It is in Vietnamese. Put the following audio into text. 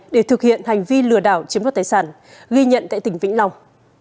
để thực hiện hành vi lừa đảo chiếm đoạt tài sản ghi nhận tại tỉnh vĩnh long